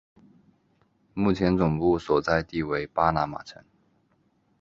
目前总部所在地为巴拿马城。